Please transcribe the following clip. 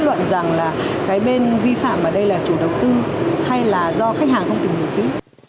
các luật sư cho rằng là cái bên vi phạm ở đây là chủ đầu tư hay là do khách hàng không tìm hiểu chứ